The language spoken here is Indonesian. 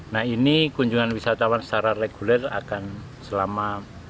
nah ini kunjungan wisatawan secara reguler akan selama